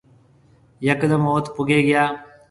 يڪدم اوٿ پُگيَ گيا۔